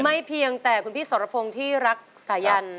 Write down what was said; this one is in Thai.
เพียงแต่คุณพี่สรพงศ์ที่รักสายัน